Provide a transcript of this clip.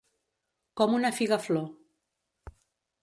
Com una figaflor.